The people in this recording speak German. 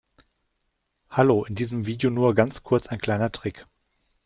Hallo, in diesem Video nur ganz kurz ein kleiner Trick.